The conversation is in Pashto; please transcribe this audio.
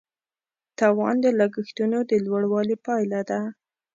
تاوان د لګښتونو د لوړوالي پایله ده.